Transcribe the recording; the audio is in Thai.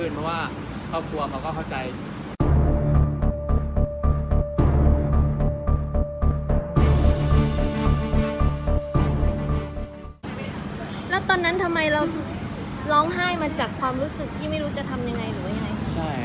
จากความรู้สึกที่ไม่รู้จะทำยังไง